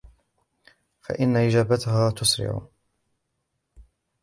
فَإِنَّ إجَابَتَهَا تُسْرِعُ